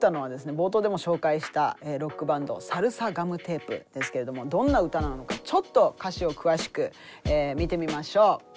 冒頭でも紹介したロックバンドサルサガムテープですけれどもどんな歌なのかちょっと歌詞を詳しく見てみましょう。